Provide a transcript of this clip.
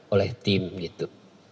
oleh tim gitu